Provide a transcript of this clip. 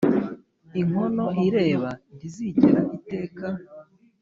inkono ireba ntizigera iteka